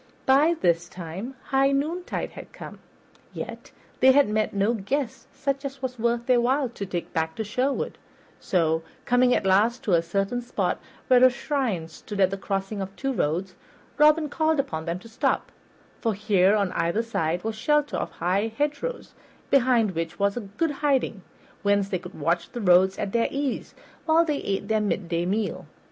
By this time high noontide had come, yet they had met no guest such as was worth their while to take back to Sherwood; so, coming at last to a certain spot where a shrine stood at the crossing of two roads, Robin called upon them to stop, for here on either side was shelter of high hedgerows, behind which was good hiding, whence they could watch the roads at their ease, while they ate their midday meal.